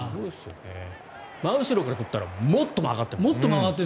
真後ろから撮ったらもっと曲がっています。